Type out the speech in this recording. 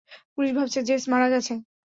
Police ভাবছে Jess মারা গেছে।